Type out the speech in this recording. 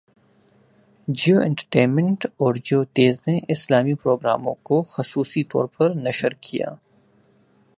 Jio entertainment اور جیو تیز نے اسلامی پروگراموں کو خصوصی طور پر نشر کیا